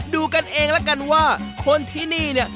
ดูกันเองแล้วกันว่าคนที่นี่เนี่ย